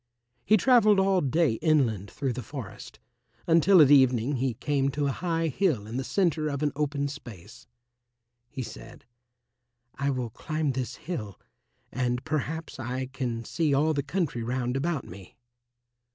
He travelled all day inland through the forest, until at evening he came to a high hill in the centre of an open space. He said, "I will climb this hill, and perhaps I can see all the country round about me."